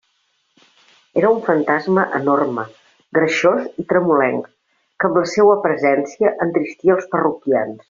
Era un fantasma enorme, greixós i tremolenc, que amb la seua presència entristia els parroquians.